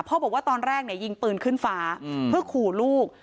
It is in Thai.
บอกว่าตอนแรกเนี่ยยิงปืนขึ้นฟ้าเพื่อขู่ลูก